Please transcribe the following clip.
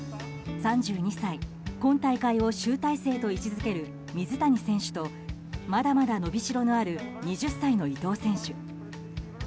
３２歳、今大会を集大成と位置付ける水谷選手とまだまだ伸びしろのある２０歳の伊藤選手。